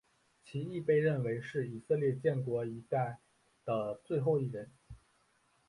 其亦被认为是以色列建国一代的最后一人。